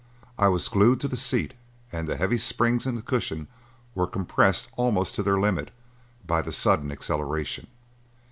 I was glued to the seat and the heavy springs in the cushion were compressed almost to their limit by the sudden acceleration.